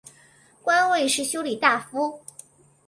官位是修理大夫。